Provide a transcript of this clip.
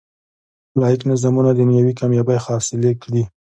لاییک نظامونه دنیوي کامیابۍ حاصلې کړي.